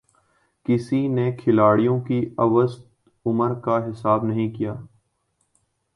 کسی نے کھلاڑیوں کی اوسط عمر کا حساب نہیں کِیا